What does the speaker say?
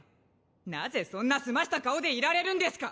なぜそんな澄ました顔でいられるんですか！？